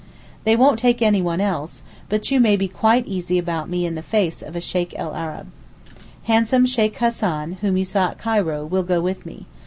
They won't take anyone else: but you may be quite easy about me 'in the face' of a Sheykh el Arab. Handsome Sheykh Hassan, whom you saw at Cairo, will go with me.